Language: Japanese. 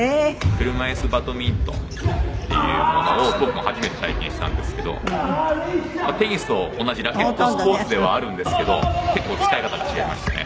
車いすバドミントンっていうものを僕も初めて体験したんですけどテニスと同じラケットスポーツではあるんですけど結構使い方が違いましたね。